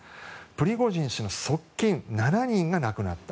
プリゴジン氏の側近７人が亡くなった。